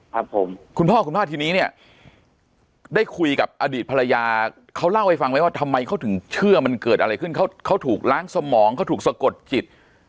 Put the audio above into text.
ครับผมคุณพ่อคุณป้าทีนี้เนี่ยได้คุยกับอดีตภรรยาเขาเล่าให้ฟังไหมว่าทำไมเขาถึงเชื่อมันเกิดอะไรขึ้นเขาถูกล้างสมองเขาถูกสะกดจิต